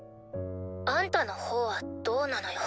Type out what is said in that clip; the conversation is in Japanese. あんたのほうはどうなのよ？